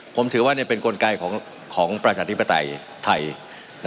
ผมถือว่าเป็นกลไกของประชาธิปไตยไทย